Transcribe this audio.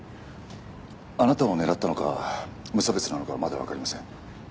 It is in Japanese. あなたを狙ったのか無差別なのかはまだわかりません。